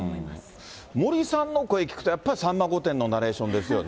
森さんの声聞くと、やっぱりさんま御殿のナレーションですよね。